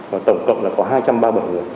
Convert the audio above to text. và tổng cộng là có hai trăm ba mươi bảy người